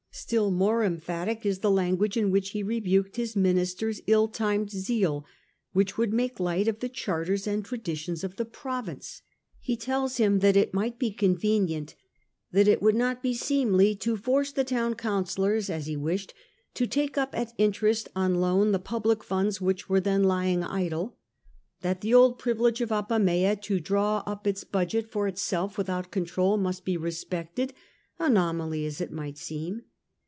Still more emphatic is the language in which he rebuked his minister's ill timed zeal, which would make light of the charters and traditions of the province. He tells hun that it might be convenient, but 24 The Age of the Antonines. a.d. would not be seemly, to force the town councillors, as he Trajan Wished, to take up at interest on loan the spwMoci public funds which were then lying idle ; that usages and ^he old privilege of Apamea to draw up its needlessly, budget for Itself Without control must be re spected, anomaly as it might seem.